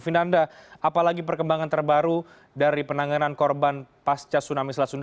vinanda apalagi perkembangan terbaru dari penanganan korban pasca tsunami selat sunda